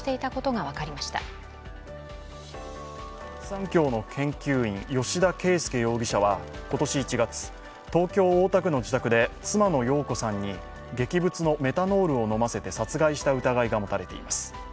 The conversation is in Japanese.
第一三共の研究員、吉田佳右容疑者は今年１月、東京・大田区の自宅で妻の容子さんに劇物のメタノールを飲ませて殺害した疑いが持たれています。